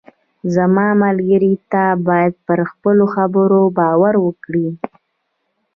زما ملګری، ته باید پر خپلو خبرو باور وکړې.